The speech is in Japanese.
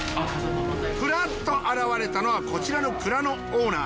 ふらっと現れたのはこちらの蔵のオーナー。